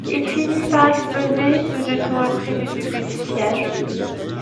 Il finit par exploser peu de temps après le début du siège.